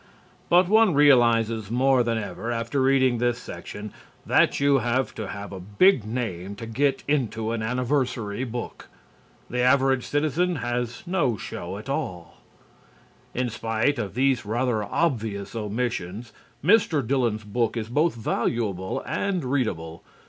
But one realizes more than ever after reading this section that you have to have a big name to get into an anniversary book. The average citizen has no show at all. In spite of these rather obvious omissions, Mr. Dillon's Book is both valuable and readable.